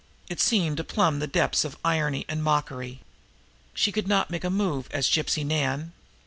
It seemed to plumb the depths of irony and mockery. She could not make a move as Gypsy Nan.